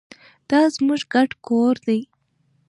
دا زموږ ګډ کور دی.